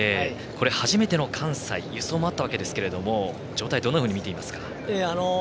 初めての関西、輸送もあったわけですけども状態どのように見ていますか？